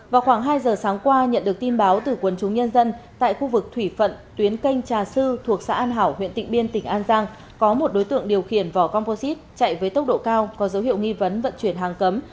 vào khoảng hai giờ sáng qua nhận được tin báo từ quần chúng nhân dân tại khu vực thủy phận tuyến canh trà sư thuộc xã an hảo huyện tịnh biên tỉnh an giang có một đối tượng điều khiển vỏ composite chạy với tốc độ cao có dấu hiệu nghi vấn vận chuyển hàng cấm